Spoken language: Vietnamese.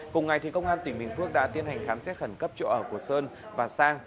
cùng ngày công an tỉnh bình phước đã tiến hành khám xét khẩn cấp chỗ ở của sơn và sang